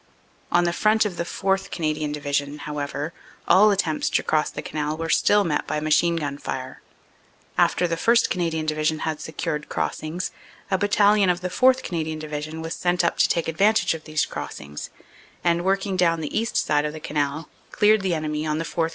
"On the front of the 4th. Canadian Division, however, all attempts to cross the Canal were still met by machine gun fire. After the 1st. Canadian Division had secured crossings, a Battalion of the 4th. Canadian Division was sent up to take advantage of these crossings and, working down the east side of the Canal, cleared the enemy on the 4th.